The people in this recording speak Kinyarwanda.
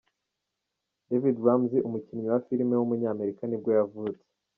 David Ramsey, umukinnyi wa filime w’umunyamerika nibwo yavutse.